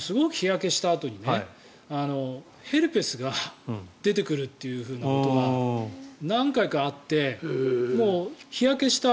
すごく日焼けしたあとにヘルペスが出てくるということが何回かあって日焼けした